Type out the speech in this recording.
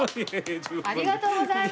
ありがとうございます！